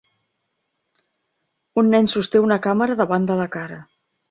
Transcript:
Un nen sosté una càmera davant de la cara.